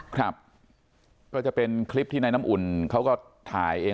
ครับก็จะเป็นคลิปที่นายน้ำอุ่นเขาก็ถ่ายเอง